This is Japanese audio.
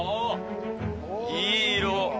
いい色。